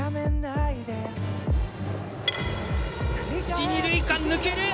一・二塁間抜ける。